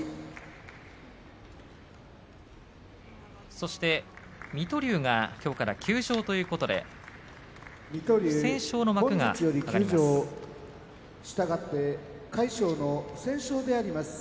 そして水戸龍がきょうから休場ということで不戦勝の幕が上がります。